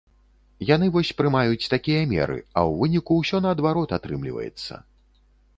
Яны вось прымаюць такія меры, а ў выніку ўсё наадварот атрымліваецца.